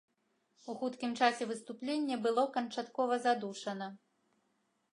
У хуткім часе выступленне было канчаткова задушана.